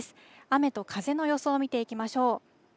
雨と風の予想を見ていきましょう。